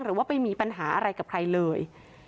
หรือว่าไปมีปัญหาอะไรกับใครเลย